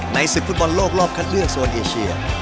ศึกฟุตบอลโลกรอบคัดเลือกโซนเอเชีย